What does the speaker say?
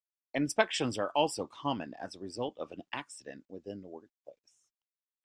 Inspections are also common as a result of an accident within the workplace.